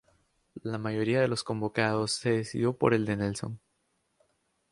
La mayoría de los convocados se decidió por el de Nelson.